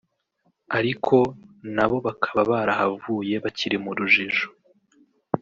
ariko na bo bakaba barahavuye bakiri mu rujijo